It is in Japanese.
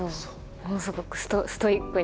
ものすごくストイックに。